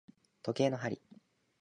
時計の針